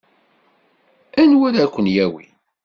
Anwa ara ken-yawin?